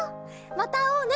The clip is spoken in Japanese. またあおうね。